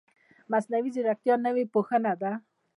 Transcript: مصنوعي ځیرکتیا نوې پوهنه ده